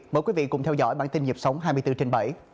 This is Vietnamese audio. mời quý vị cùng theo dõi bản tin nhịp sống hai mươi bốn trên bảy